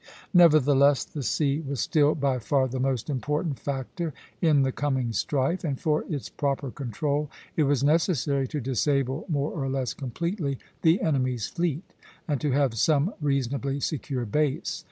Nevertheless, the sea was still by far the most important factor in the coming strife, and for its proper control it was necessary to disable more or less completely the enemy's fleet, and to have some reasonably secure base.